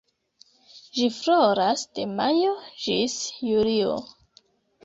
Ĝi floras de majo ĝis julio.